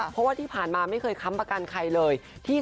เพราะว่าที่ผ่านมาไม่เคยค้ำประกันใครเลย